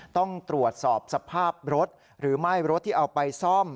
ต้องตรวจสอบสภาพรถหรือไม่รถที่เอาไปซ่อม